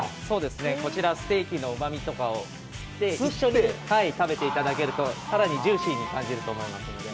こちらステーキのうまみとかも吸って一緒に食べていただけると更にジューシーに感じると思いますので。